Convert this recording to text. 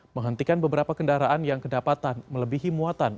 menghentikan beberapa kendaraan yang kedapatan melebihi muatan